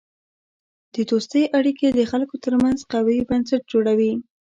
د دوستی اړیکې د خلکو ترمنځ قوی بنسټ جوړوي.